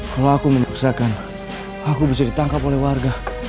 kalau aku memaksakan aku bisa ditangkap oleh warga